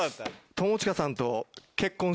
友近さんと。